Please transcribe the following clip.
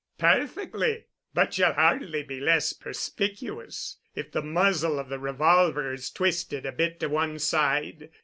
"Perfectly—but ye'll hardly be less perspicuous if the muzzle of the revolver is twisted a bit to one side.